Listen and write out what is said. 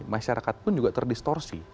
masyarakat pun juga terdistorsi